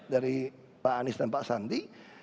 dari pak anies dan pak sandi